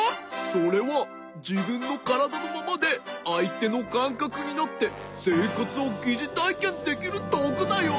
それはじぶんのからだのままであいてのかんかくになってせいかつをぎじたいけんできるどうぐだよ。